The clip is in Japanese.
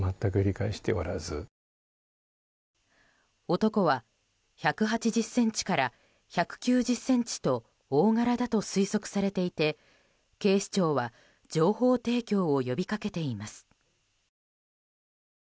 男は１８０ｃｍから１９０ｃｍと大柄だと推測されていて警視庁は情報提供を呼び掛けています。